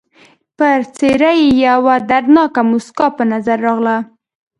پر څېره یې یوه دردناکه مسکا په نظر راغله.